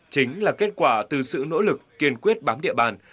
chính là kết quả từ sự nỗ lực kiên quyết bám địa bàn